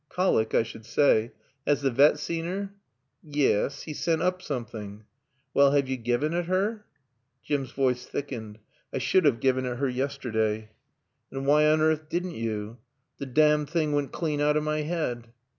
"Colic, I should say. Has the vet seen her?" "Ye es. He sent oop soomthing " "Well, have you given it her?" Jim's voice thickened. "I sud have given it her yesterda." "And why on earth didn't you?" "The domned thing went clane out o' my head."